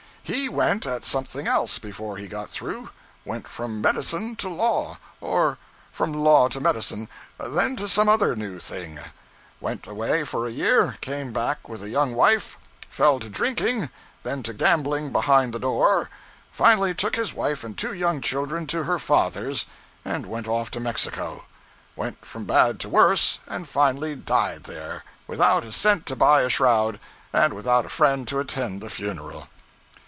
'He went at something else before he got through went from medicine to law, or from law to medicine then to some other new thing; went away for a year, came back with a young wife; fell to drinking, then to gambling behind the door; finally took his wife and two young children to her father's, and went off to Mexico; went from bad to worse, and finally died there, without a cent to buy a shroud, and without a friend to attend the funeral.'